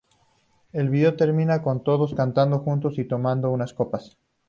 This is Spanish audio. El video termina con todos cantando juntos y tomando unas copas.